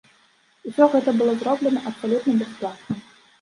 Усё гэта было зроблена абсалютна бясплатна.